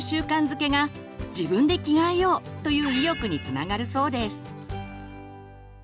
づけが「自分で着替えよう」という意欲につながるそうです。